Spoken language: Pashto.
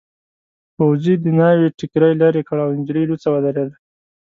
پوځي د ناوې ټکري لیرې کړ او نجلۍ لوڅه ودرېده.